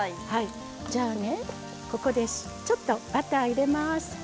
じゃあね、ここでちょっとバターを入れます。